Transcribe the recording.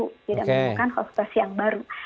tidak menemukan hospirasi yang baru